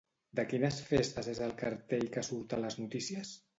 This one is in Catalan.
De quines festes és el cartell que surt a les notícies?